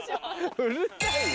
うるさいよ。